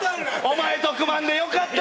お前と組まんでよかった！